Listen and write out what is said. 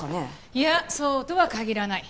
いやそうとは限らない。